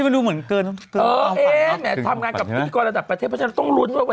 เวลาฉันได้กินผู้ชายหรอ